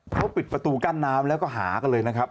เขาปิดประตูกั้นน้ำแล้วก็หากันเลยนะครับ